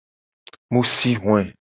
Mu si hoe.